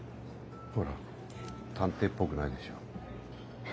ほら探偵っぽくないでしょ？